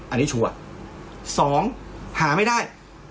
อันนี้ชัวร์๒หาไม่ได้